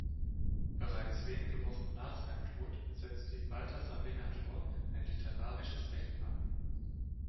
Bereits wenige Wochen nach seinem Tod setzte ihm Balthasar Venator ein literarisches Denkmal.